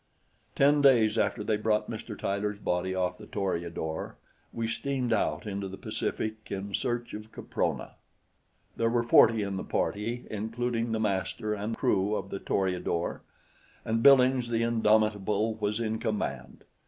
Ten days after they brought Mr. Tyler's body off the Toreador, we steamed out into the Pacific in search of Caprona. There were forty in the party, including the master and crew of the Toreador; and Billings the indomitable was in command.